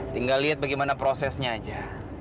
tinggal lihat bagaimana prosesnya aja